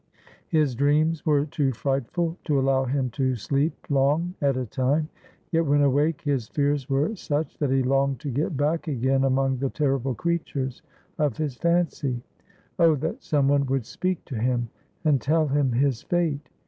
His dreams were too frightful to allow him to sleep long at a time; yet, when awake, his fears were such that he longed to get back again among the terrible creatures of his fancy. Oh, that some one would speak to him, and tell him his fate!